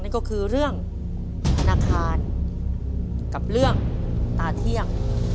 นั่นก็คือเรื่องธนาคารกับเรื่องตาเที่ยง